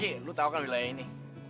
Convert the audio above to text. iya oke lo tau kan wilayah ini